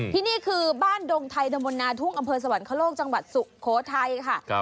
ที่นี่คือบ้านดงไทยตะบนนาทุ่งอำเภอสวรรคโลกจังหวัดสุโขทัยค่ะ